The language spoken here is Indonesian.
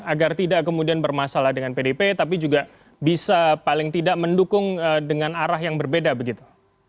agar tidak kemudian bermasalah dengan pdp tapi juga bisa paling tidak mendukung dengan arah yang berbeda begitu